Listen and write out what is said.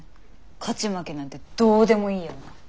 勝ち負けなんてどうでもいいような。